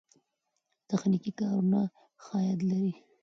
تخنیکي کارونه ښه عاید لري.